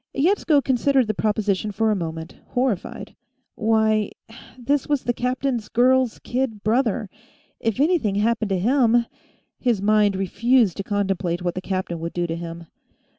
Yetsko considered the proposition for a moment, horrified. Why, this was the captain's girl's kid brother; if anything happened to him His mind refused to contemplate what the captain would do to him.